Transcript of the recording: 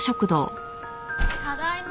・ただいま！